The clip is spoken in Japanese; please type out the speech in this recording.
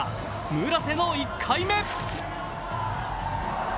村瀬の１回目！